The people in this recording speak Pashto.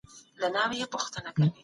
يو ځوان په پښتو ژبي وينا کوي.